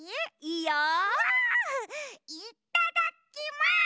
いっただきます！